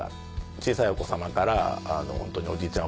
小さいお子さまからおじいちゃん